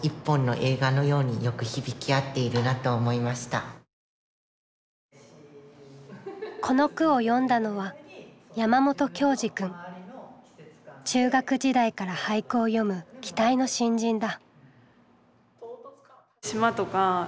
私はこの句を詠んだのは中学時代から俳句を詠む期待の新人だ。